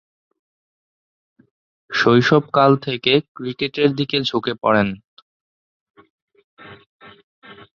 শৈশবকাল থেকে ক্রিকেটের দিকে ঝুঁকে পড়েন।